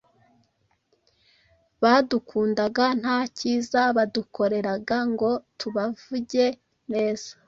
badukundaga ntakiza badukoreraga ngo tubavuge neza